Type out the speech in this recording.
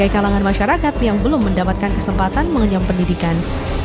kalangan masyarakat yang belum mendapatkan kesempatan mengenyam pendidikan